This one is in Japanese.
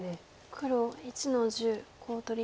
黒１の十コウ取り。